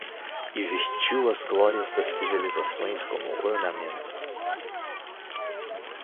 E vestiu as glórias das civilizações como ornamento